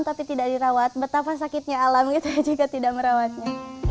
tapi tidak dirawat betapa sakitnya alam itu jika tidak merawatnya